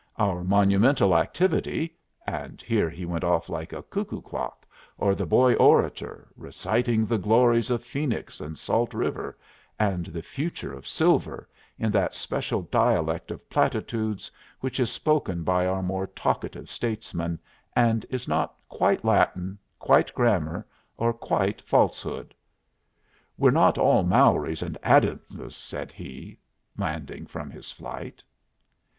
Our monumental activity " And here he went off like a cuckoo clock, or the Boy Orator, reciting the glories of Phoenix and Salt River, and the future of silver, in that special dialect of platitudes which is spoken by our more talkative statesmen, and is not quite Latin, quite grammar, or quite falsehood. "We're not all Mowrys and Adamses," said he, landing from his flight.